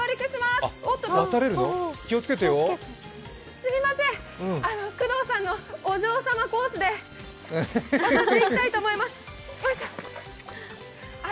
すみません、久藤さんのお嬢様コースで入りたいと思います。